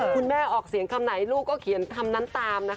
แม่ออกเสียงคำไหนลูกก็เขียนคำนั้นตามนะคะ